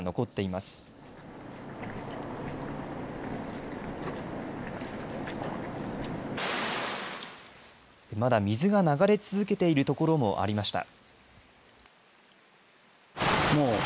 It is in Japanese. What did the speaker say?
まだ水が流れ続けているところもありました。